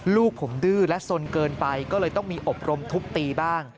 ลูกผมดื้อและสนเกินไปก็เลยต้องมีอบรมทุบตีบ้าง